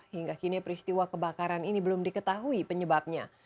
hingga kini peristiwa kebakaran ini belum diketahui penyebabnya